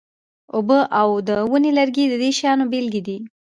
اوبه او د ونې لرګي د دې شیانو بیلګې دي.